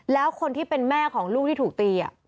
แล้วคนที่เป็นแม่ของลูกที่ถูกตี